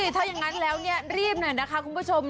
ถ้าอย่างนั้นแล้วเนี่ยรีบหน่อยนะคะคุณผู้ชม